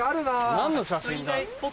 何の写真だ？